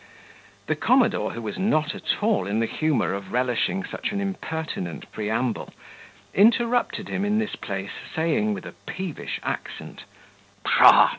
The commodore, who was not at all in the humour of relishing such an impertinent preamble, interrupted him in this place, saying, with a peevish accent, "Pshaw!